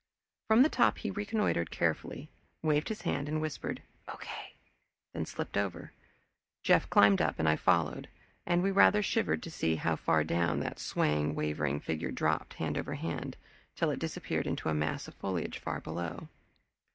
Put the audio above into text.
From the top he reconnoitered carefully, waved his hand, and whispered, "OK," then slipped over. Jeff climbed up and I followed, and we rather shivered to see how far down that swaying, wavering figure dropped, hand under hand, till it disappeared in a mass of foliage far below.